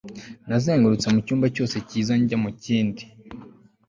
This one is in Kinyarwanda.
nazengurutse mu cyumba cyiza njya mu kindi